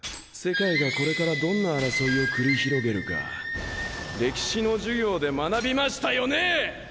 世界がこれからどんな争いを繰り広げるか歴史の授業で学びましたよね？